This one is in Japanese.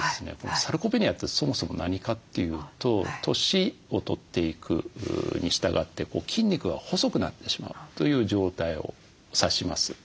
サルコペニアってそもそも何かというと年を取っていくにしたがって筋肉が細くなってしまうという状態を指します。